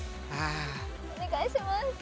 お願いします。